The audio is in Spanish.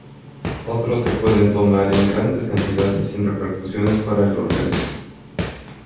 Otros se pueden tomar en grandes cantidades sin repercusiones para el organismo.